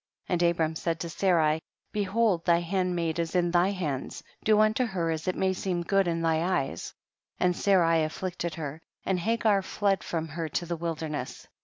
33. And Abram said to Sarai, be hold thy handmaid is in thy hand, do unto her as it may seem good in thy eyes ; and Sarai afflicted her, and Hasrar fled from her to the wilder ness.